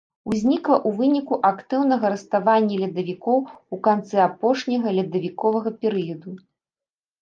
Узнікла ў выніку актыўнага раставання ледавікоў у канцы апошняга ледавіковага перыяду.